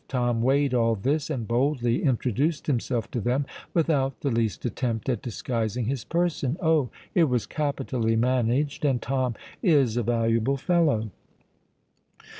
Tom weighed all this, and boldly introduced himself to them without the least attempt at disguising his person. Oh! It was capitally managed—and Tom is a valuable fellow!"